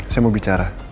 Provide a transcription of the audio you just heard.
saya mau bicara